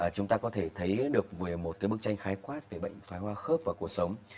chúng ta có thể thấy được một cái bức tranh khái quát về bệnh phái hoa khớp và cuộc sống